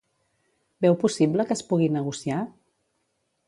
Veu possible que es pugui negociar?